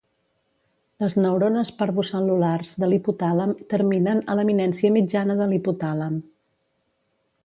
Les neurones parvocel·lulars de l"hipotàlem terminen a l"eminència mitjana de l"hipotàlem.